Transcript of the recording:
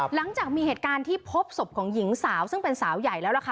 หลังจากมีเหตุการณ์ที่พบศพของหญิงสาวซึ่งเป็นสาวใหญ่แล้วล่ะค่ะ